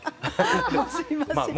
もうすいません。